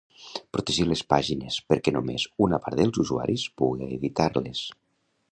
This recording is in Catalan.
Protegir les pàgines perquè només una part dels usuaris puga editar-les.